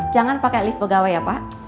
jangan pakai lift pegawai ya pak